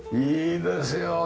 いいですよ。